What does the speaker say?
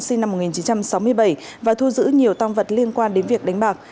sinh năm một nghìn chín trăm sáu mươi bảy và thu giữ nhiều tăng vật liên quan đến việc đánh bạc